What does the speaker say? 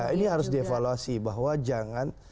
ini harus dievaluasi bahwa jangan